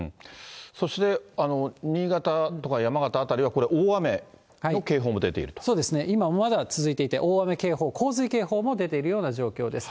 そして、新潟とか山形辺りはこれ、そうですね、今もまだ続いていて、大雨警報、洪水警報も出ているような状況です。